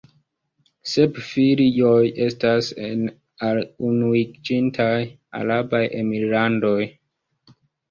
Sep filioj estas en al Unuiĝintaj Arabaj Emirlandoj.